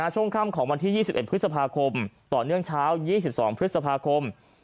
ช่วงค่ำของวันที่๒๑พฤษภาคมต่อเนื่องเช้า๒๒พฤษภาคม